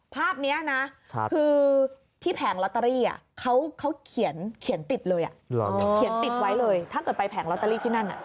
ภาพนี้นะคือที่แผงลอตเตอรี่เขาเขียนติดเลยถ้าเกิดไปแผงลอตเตอรี่ที่นั่น